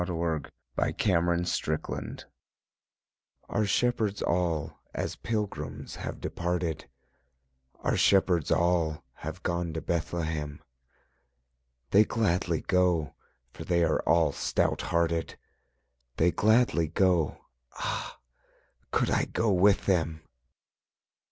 W. Stubbs_ BOOTS AND SADDLES Our shepherds all As pilgrims have departed, Our shepherds all Have gone to Bethlehem. They gladly go For they are all stout hearted, They gladly go Ah, could I go with them!